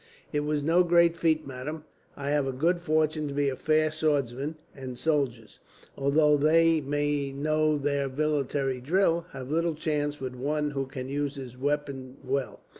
"It was no great feat, madam. I have the good fortune to be a fair swordsman; and soldiers, although they may know their military drill, have little chance with one who can use his weapon well.